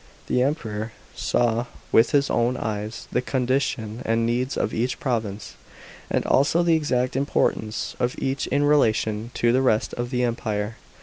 The Emperor saw with his own eyes the condition and needs of each province, and also the exact importance of each in relation to the rest of the Empire.